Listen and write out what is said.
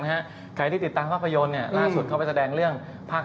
ใครที่ติดตามภาพยนตร์เนี่ยล่าสุดเข้าไปแสดงเรื่องภาค